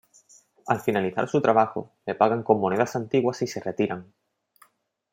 Al finalizar su trabajo, le pagan con monedas antiguas y se retiran.